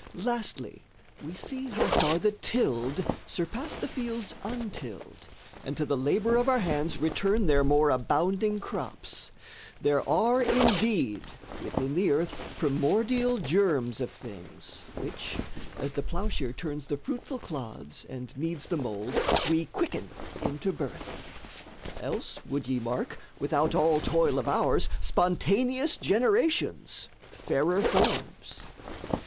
Lastly we see How far the tilled surpass the fields untilled And to the labour of our hands return Their more abounding crops; there are indeed Within the earth primordial germs of things, Which, as the ploughshare turns the fruitful clods And kneads the mould, we quicken into birth. Else would ye mark, without all toil of ours, Spontaneous generations, fairer forms.